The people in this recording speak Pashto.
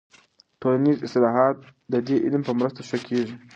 ټولنیز اصلاحات د دې علم په مرسته ښه کیږي.